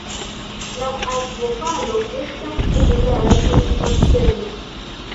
La akvofalo estas populara turisma celo.